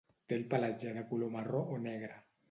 Té el pelatge de color marró o negre.